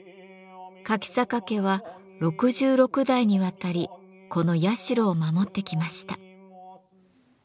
柿坂家は六十六代にわたりこの社を守ってきました。